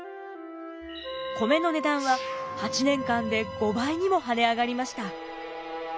米の値段は８年間で５倍にも跳ね上がりました。